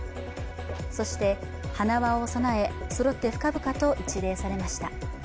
そして花輪を供え、そろって深々と一礼されました。